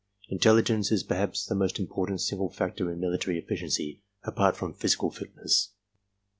Intelligence is perhaps the most important single factor in military eflBciency, apart from physical fitness.